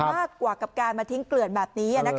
มากกว่ากับการมาทิ้งเกลื่อนแบบนี้